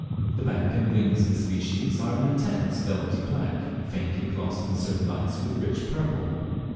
The back and wings of this species are of an intense velvety black, faintly glossed in certain lights with rich purple.